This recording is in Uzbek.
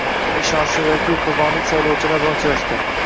Ishonchli vakil kogonlik saylovchilar bilan uchrashdi